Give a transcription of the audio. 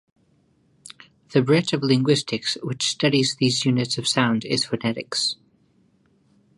The branch of linguistics which studies these units of sound is phonetics.